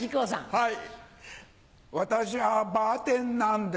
はい。